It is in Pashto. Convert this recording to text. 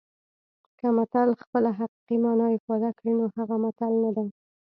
که متل خپله حقیقي مانا افاده کړي نو هغه متل نه دی